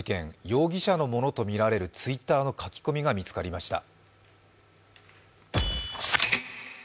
容疑者のものとみられるＴｗｉｔｔｅｒの書き込みが見つかりました。